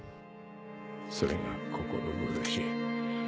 それが心苦しい